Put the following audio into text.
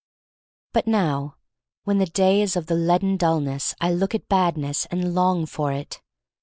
But now when the day is of the leaden dullness I look at Badness and long for it.